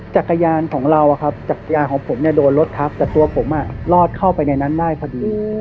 จักรยานของเราจักรยานของผมเนี่ยโดนรถทับแต่ตัวผมรอดเข้าไปในนั้นได้พอดี